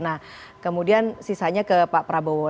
nah kemudian sisanya ke pak prabowo